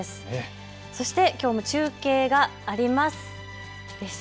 そしてきょうも中継があります。